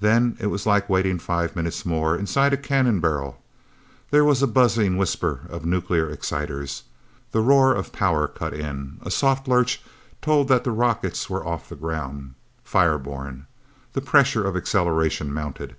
Then it was like waiting five minutes more, inside a cannon barrel. There was a buzzing whisper of nuclear exciters. The roar of power cut in. A soft lurch told that the rockets were off the ground fireborne. The pressure of acceleration mounted.